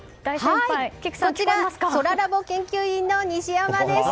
こちらそらラボ研究員の西山です！